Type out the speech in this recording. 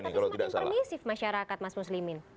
tapi semakin permisif masyarakat mas muslimin